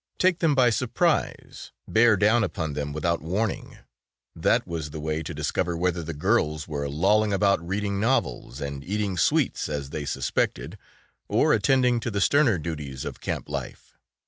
Take them by surprise, bear down upon them without warning, that was the way to discover whether the girls were lolling about reading novels and eating sweets as they suspected, or attending to the sterner duties of camp life.